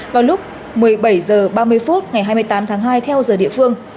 vào lúc một mươi bảy h ba mươi phút ngày hai mươi tám tháng hai theo giờ địa phương